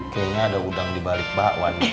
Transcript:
kayaknya ada undang dibalik pak wadi